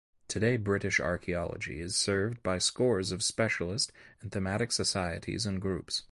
Today British archaeology is served by scores of specialist and thematic societies and groups.